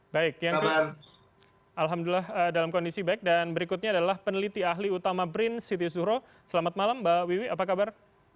baik yang kedua alhamdulillah dalam kondisi baik dan berikutnya adalah peneliti ahli utama brin siti zuhro selamat malam mbak wiwi apa kabar